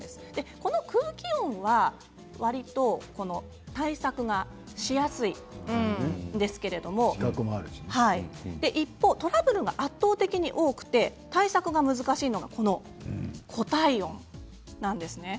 この空気音はわりと対策がしやすいですけれども一方トラブルが圧倒的に多くて対策が難しいのが固体音なんですね。